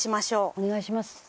「お願いします」